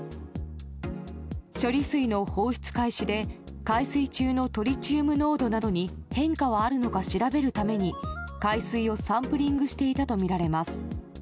処理水の放出開始で海水中のトリチウム濃度などに変化はあるのか調べるために海水をサンプリングしていたとみられます。